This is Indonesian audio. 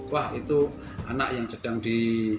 wah itu anak yang sedang di